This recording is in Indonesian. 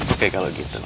oke kalau gitu no